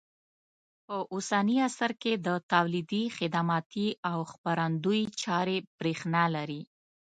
په اوسني عصر کې د تولیدي، خدماتي او خپرندوی چارې برېښنا لري.